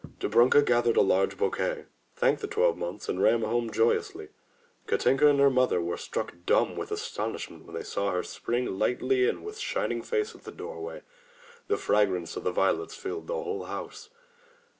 Dobrunka gathered a large bouquet, thanked the Twelve Months, and ran home joyously. Katinka and her mother were struck dumb with astonishment when they saw her spring lightly in with shining face at the doorway. The fragrance of the violets filled the whole house.